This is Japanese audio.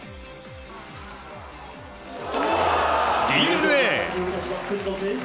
ＤｅＮＡ！